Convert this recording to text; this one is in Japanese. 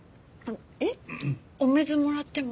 えっ？お水もらっても。